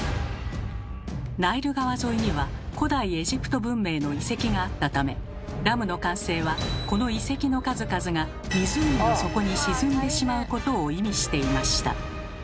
ナイル川沿いには古代エジプト文明の遺跡があったためダムの完成はこの遺跡の数々が湖の底に沈んでしまうことを意味していました。